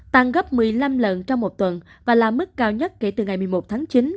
tăng gấp một mươi năm lần trong một tuần và là mức cao nhất kể từ ngày một mươi một tháng chín